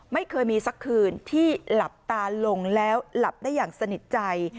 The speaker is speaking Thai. ไม่เคยมีสักคืนที่หลับตาลงแล้วหลับได้อย่างสนิทใจ